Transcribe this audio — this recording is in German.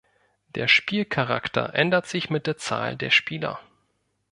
Der Spielcharakter ändert sich mit der Zahl der Spieler.